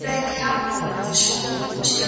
کتابتوني کار د مور له خوا ترسره کيږي!.